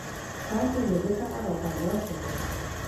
تاسې له ده سره راپیدا شئ.